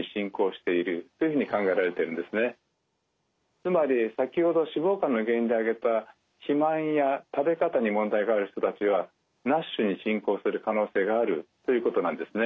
つまり先ほど脂肪肝の原因で挙げた肥満や食べ方に問題がある人たちはＮＡＳＨに進行する可能性があるということなんですね。